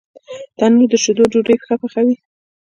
تنور د شیدو ډوډۍ ښه پخوي